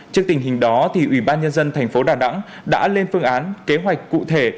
trước tình hình đó thì ủy ban nhân dân tp đà nẵng đã lên phương án kế hoạch cụ thể